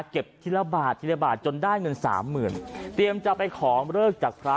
ทีละบาททีละบาทจนได้เงินสามหมื่นเตรียมจะไปขอเลิกจากพระ